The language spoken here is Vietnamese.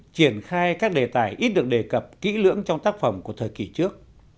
triển khai các đề tài ít được đề cập kỹ lưỡng trong tác phẩm của thời kỳ trước